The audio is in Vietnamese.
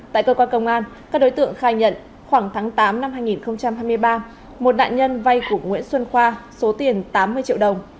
tại cơ quan công an các đối tượng khai nhận khoảng tháng tám năm hai nghìn hai mươi ba một nạn nhân vay của nguyễn xuân khoa số tiền tám mươi triệu đồng